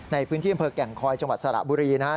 ในพื้นที่อำเภอแก่งคอยจังหวัดสระบุรีนะครับ